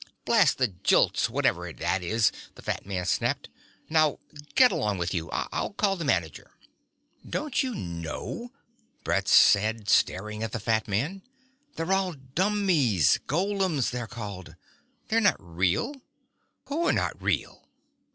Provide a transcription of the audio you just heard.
"Blast the Jilts, whatever that is!" the fat man snapped. "Now, get along with you. I'll call the manager." "Don't you know?" Brett said, staring at the fat man. "They're all dummies; golems, they're called. They're not real." "Who're not real?"